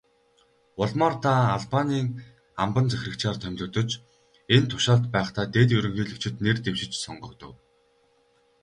Улмаар та Албанийн амбан захирагчаар томилогдож, энэ тушаалд байхдаа дэд ерөнхийлөгчид нэр дэвшиж, сонгогдов.